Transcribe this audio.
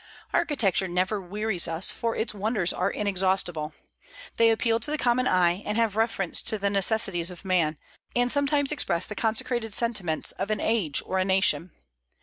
Architecture never wearies us, for its wonders are inexhaustible; they appeal to the common eye, and have reference to the necessities of man, and sometimes express the consecrated sentiments of an age or a nation.